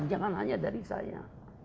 jangan hanya dari saya